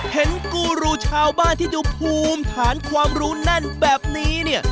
กูรูชาวบ้านที่ดูภูมิฐานความรู้แน่นแบบนี้เนี่ย